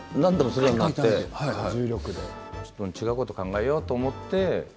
ちょっと違うこと考えようと思って。